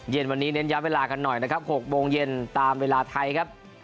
เย็นวันนี้เน้นย้ำเวลากันหน่อยนะครับ๖โมงเย็นตามเวลาไทยครับ